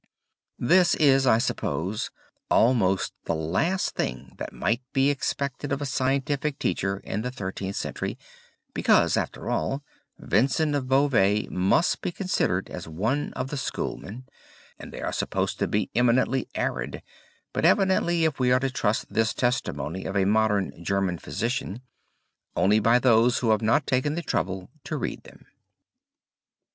This is, I suppose, almost the last thing that might be expected of a scientific teacher in the Thirteenth Century, because, after all, Vincent of Beauvais must be considered as one of the schoolmen, and they are supposed to be eminently arid, but evidently, if we are to trust this testimony of a modern German physician, only by those who have not taken the trouble to read them.